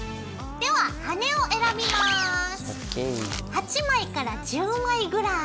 ８枚１０枚ぐらい。